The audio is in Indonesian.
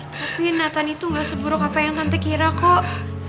tapi nathan itu gak seburuk apa yang tante kira kok